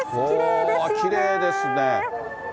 きれいですよね。